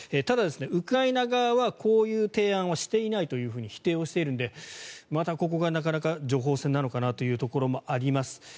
ただ、ウクライナ側はこういう提案をしていないと否定をしているのでまたここがなかなか情報戦なのかなというところもあります。